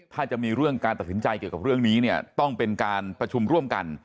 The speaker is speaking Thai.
ถ้าจะมีเรื่องการตัดสินใจเกี่ยวกับเรื่องนี้เนี่ยต้องเป็นการประชุมร่วมกัน